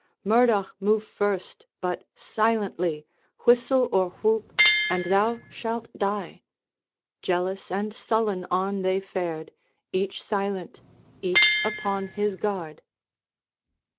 Murdoch, move first but silently; Whistle or whoop, and thou shalt die!' Jealous and sullen on they fared, Each silent, each upon his guard.